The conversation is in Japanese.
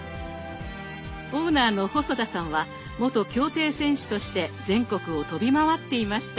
オーナーの細田さんは元競艇選手として全国を飛び回っていました。